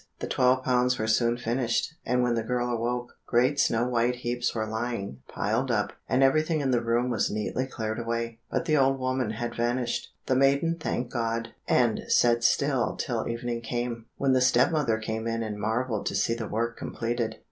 The twelve pounds were soon finished, and when the girl awoke, great snow white heaps were lying, piled up, and everything in the room was neatly cleared away, but the old woman had vanished. The maiden thanked God, and sat still till evening came, when the step mother came in and marvelled to see the work completed.